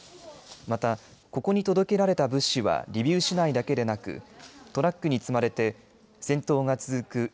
またここに届けられた物資はリビウ市内だけでなくトラックに積まれて戦闘が続く